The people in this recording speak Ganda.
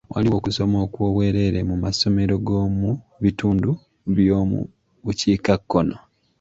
Waaliwo okusoma okw'obwereere mu masomero g'omu bitundu by'omu bukiikakkono.